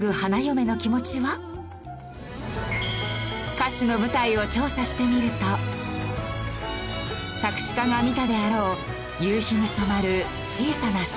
歌詞の舞台を調査してみると作詞家が見たであろう夕日に染まる小さな島々。